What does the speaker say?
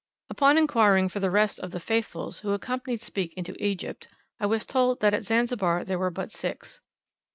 Upon inquiring for the rest of the "Faithfuls" who accompanied Speke into Egypt, I was told that at Zanzibar there were but six.